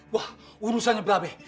wah urusannya berabeh